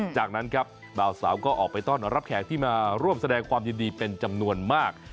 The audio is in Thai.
จากนั้นครับบ่าวสาวก็ออกไปต้อนรับแขกที่มาร่วมแสดงความยินดีเป็นจำนวนมาก